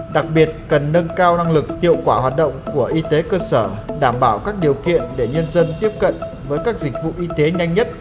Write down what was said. đặc biệt cần nâng cao năng lực hiệu quả hoạt động của y tế cơ sở đảm bảo các điều kiện để nhân dân tiếp cận với các dịch vụ y tế nhanh nhất